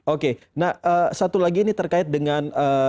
oke nah satu lagi ini terkait dengan